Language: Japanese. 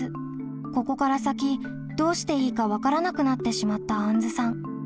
ここから先どうしていいか分からなくなってしまったあんずさん。